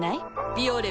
「ビオレ」